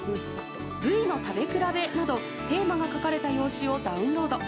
部位の食べ比べなどテーマが書かれた用紙をダウンロード。